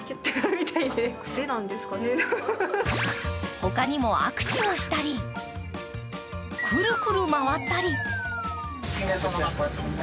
他にも握手をしたりクルクル回ったり。